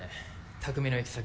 匠の行き先。